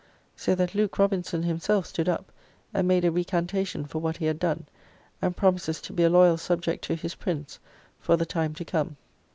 So that Luke Robinson himself stood up and made a recantation for what he had done, and promises to be a loyal subject to his Prince for the time to come.